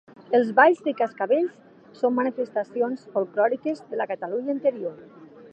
Els balls de Cascavells són manifestacions folklòriques de la Catalunya Interior.